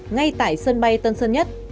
ngay tại sân bay tân sơn nhất